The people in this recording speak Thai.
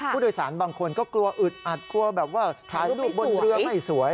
ผู้โดยสารบางคนก็กลัวอึดอัดกลัวแบบว่าถ่ายรูปบนเรือไม่สวย